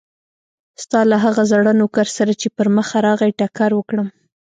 ستا له هغه زاړه نوکر سره چې پر مخه راغی ټکر وکړم.